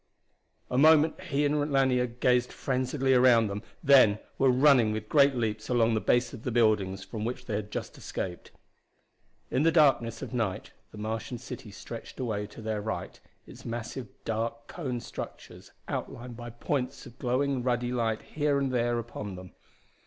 A moment he and Lanier gazed frenziedly around them, then were running with great leaps along the base of the building from which they had just escaped. In the darkness of night the Martian city stretched away to their right, its massive dark cone structures outlined by points of glowing ruddy light here and there upon them.